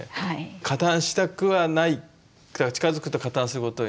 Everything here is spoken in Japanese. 加担したくはない近づくと加担することになる。